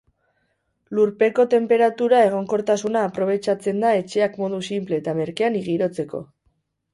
Lurpeko tenperatura egonkortasuna aprobetxatzen da etxeak modu sinple eta merkean girotzeko.